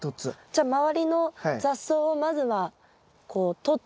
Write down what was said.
じゃあ周りの雑草をまずはこう取って。